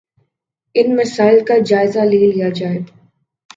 ان مسائل کا جائزہ لے لیا جائے